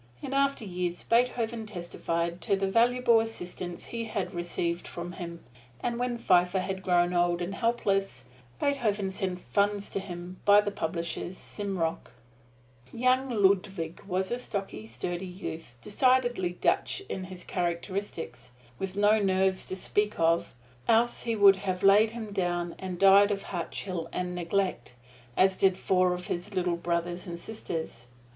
In after years Beethoven testified to the valuable assistance he had received from him; and when Pfeiffer had grown old and helpless, Beethoven sent funds to him by the publishers, Simrock. Young Ludwig was a stocky, sturdy youth, decidedly Dutch in his characteristics, with no nerves to speak of, else he would have laid him down and died of heart chill and neglect, as did four of his little brothers and sisters.